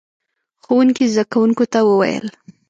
ښوونکي زده کوونکو ته وويل: